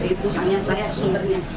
itu hanya saya sumbernya